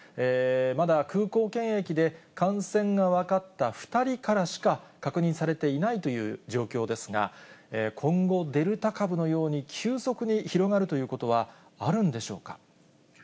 まだ空港検疫で感染が分かった２人からしか確認されていないという状況ですが、今後、デルタ株のように急速に広がるということはあるんでしょうか。